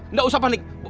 nggak usah panik